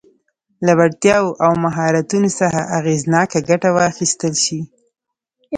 له وړتیاوو او مهارتونو څخه اغېزناکه ګټه واخیستل شي.